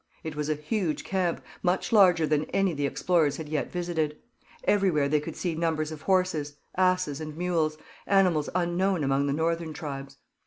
It was a huge camp, much larger than any the explorers had yet visited. Everywhere they could see numbers of horses, asses, and mules animals unknown among the northern tribes.